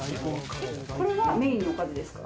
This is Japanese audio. えっこれはメインのおかずですか？